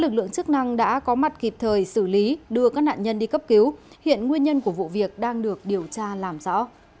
lực lượng chức năng đã có mặt kịp thời xử lý đưa các nạn nhân đi cấp cứu hiện nguyên nhân của vụ việc đang được điều tra làm rõ